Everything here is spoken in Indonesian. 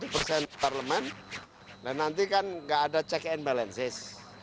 enam puluh satu persen parlemen dan nanti kan tidak ada check and balances